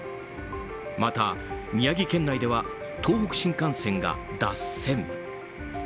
また、宮城県内では東北新幹線が脱線。